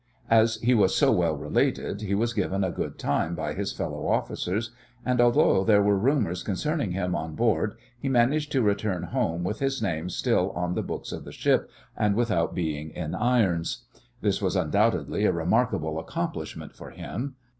As he was so well related, he was given a good time by his fellow officers, and although there were rumours concerning him on board he managed to return home with his name still on the books of the ship, and without being in irons. This was, undoubtedly, a remarkable accomplishment for him.